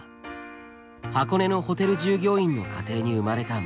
箱根のホテル従業員の家庭に生まれた松尾。